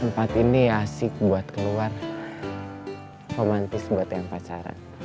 tempat ini asik buat keluar romantis buat yang pacaran